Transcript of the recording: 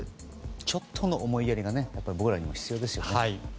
ちょっとの思いやりが僕らにも必要ですよね。